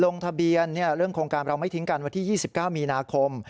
ลงทะเบียนเรื่องโครงการเราไม่ทิ้งกันวันที่๒๙มีนาคม